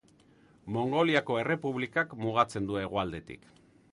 Mongoliako errepublikak mugatzen du hegoaldetik.